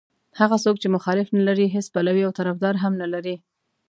هغه څوک چې مخالف نه لري هېڅ پلوی او طرفدار هم نه لري.